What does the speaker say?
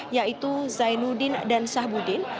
yaitu zainuddin dan sahbudin